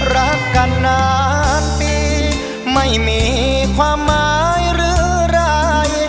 รักกันนานปีไม่มีความหมายหรือไร